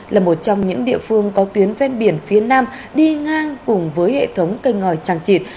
là một trong những địa phương có tuyến ven biển phía nam đi ngang cùng với hệ thống cây ngòi tràng trịt